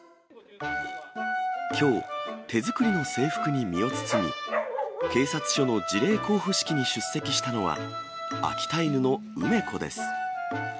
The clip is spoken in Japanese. きょう、手作りの制服に身を包み、警察署の辞令交付式に出席したのは、秋田犬の梅子です。